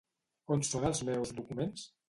On són els meus documents?